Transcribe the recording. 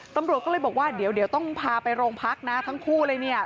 ตำรวจก็เลยบอกว่าเดี๋ยวต้องพาไปโรงพักนะทั้งคู่เลยเนี่ย